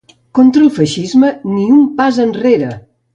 Contra el feixisme, ni un pas enrere!